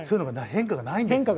変化がないんですね。